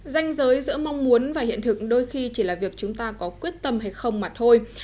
danh giới giữa mong muốn và hiện thực đôi khi chỉ là việc chúng ta có quyết tâm hay không mà thôi